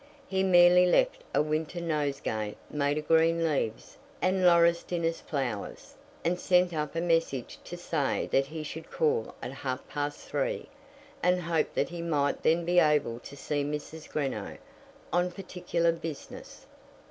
He merely left a winter nosegay made of green leaves and laurestinus flowers, and sent up a message to say that he should call at half past three, and hoped that he might then be able to see Mrs. Greenow on particular business.